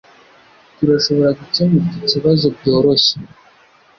Turashobora gukemura iki kibazo byoroshye.